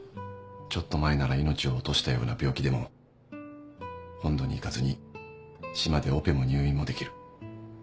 ちょっと前なら命を落としたような病気でも本土に行かずに島でオペも入院もできる。